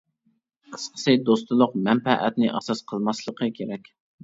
قىسقىسى دوستلۇق مەنپەئەتنى ئاساس قىلماسلىقى كېرەك.